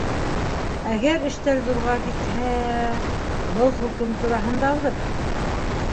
«Әгәр эштәр ҙурға китһә...» —был хөкөм тураһындалыр.